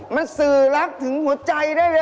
มันสื่อรักถึงหัวใจได้เลย